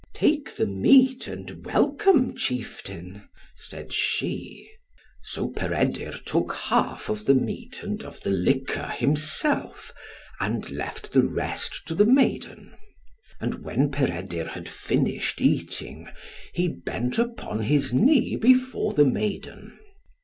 "Take the meat and welcome, chieftain," said she. So Peredur took half of the meat and of the liquor himself, and left the rest to the maiden. And when Peredur had finished eating, he bent upon his knee before the maiden.